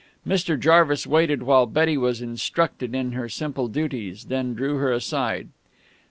Mr. Jarvis waited while Betty was instructed in her simple duties, then drew her aside.